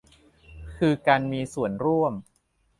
คือการมีส่วนร่วม